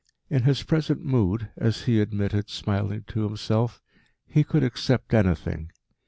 In his present mood, as he admitted, smiling to himself, he could accept anything.